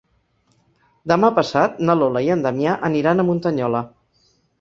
Demà passat na Lola i en Damià aniran a Muntanyola.